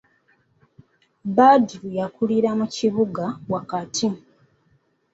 Badru yakulira mu kibuga wakati.